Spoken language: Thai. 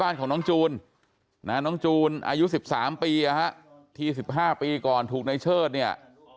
น้องจูนอายุ๑๓ปีที๑๕ปีก่อนถูกนายเชิดเนี่ย